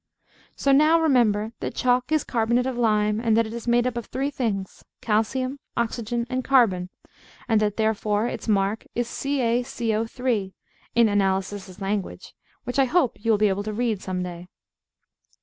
So now remember that chalk is carbonate of lime, and that it is made up of three things, calcium, oxygen, and carbon; and that therefore its mark is CaCO(3), in Analysis's language, which I hope you will be able to read some day.